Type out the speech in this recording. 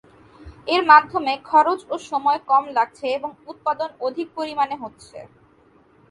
এর মাধ্যমে খরচ ও সময় কম লাগছে এবং উৎপাদন অধিক পরিমাণে হচ্ছে।